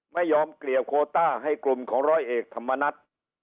ไม่ยอมเกลี่ยโคต้าให้กลุ่มของร้อยเอกธรรมนัฐ